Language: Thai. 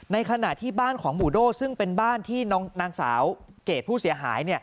ในขณะที่บ้านของหมู่โด่ซึ่งเป็นบ้านที่นางสาวเกรดผู้เสียหาย